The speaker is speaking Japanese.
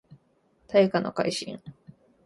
大化の改新